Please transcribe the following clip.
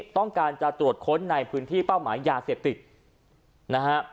ต้องการจะตรวจค้นในพื้นที่เป้าหมายยาเสพติดนะฮะ